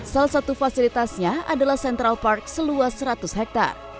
salah satu fasilitasnya adalah central park seluas seratus hektare